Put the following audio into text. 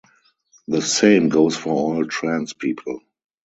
The same goes for all trans people.